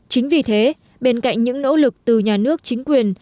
chính vì thế bên cạnh những nỗ lực từ nhà nước chính quyền